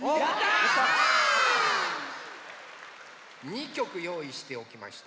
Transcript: ２きょくよういしておきました。